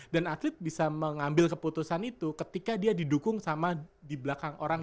dan atlet bisa mengambil keputusan itu ketika dia didukung sama di belakang orang